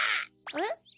・えっ？